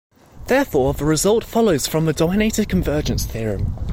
Therefore the result follows from the dominated convergence theorem.